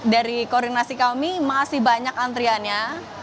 dari koordinasi kami masih banyak antriannya